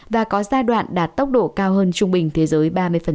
và có giai đoạn đạt tốc độ cao hơn trung bình thế giới ba mươi